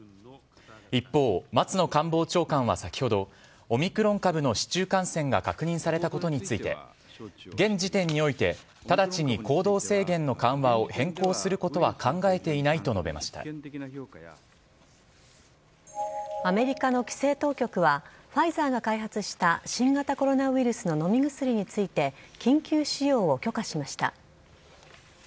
一方、松野官房長官は先ほどオミクロン株の市中感染が確認されたことについて現時点において直ちに行動制限の緩和を変更することは考えていないとアメリカの規制当局はファイザーが開発した新型コロナウイルスの飲み薬について緊急使用を許可しました。